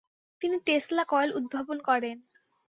তিনি Tesla coil উদ্ভাবন করেন।